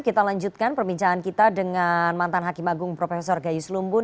kita lanjutkan perbincangan kita dengan mantan hakim agung prof gayus lumbun